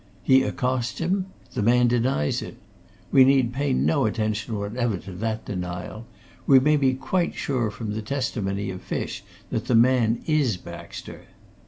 He accosts him the man denies it. We need pay no attention whatever to that denial: we may be quite sure from the testimony of Fish that the man is Baxter.